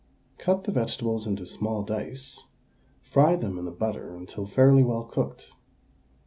Cut the vegetables into small dice; fry them in the butter until fairly well cooked.